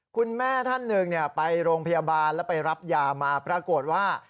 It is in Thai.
คุณแม่ท่านหนึ่งไปโรงพยาบาลแล้วไปรับยามาปรากฏว่า